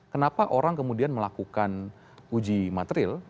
kenapa orang kemudian melakukan uji materi